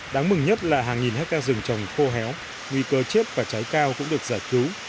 đáng mừng nhất là hàng nghìn hectare rừng trồng khô héo nguy cơ chết và cháy cao cũng được giải cứu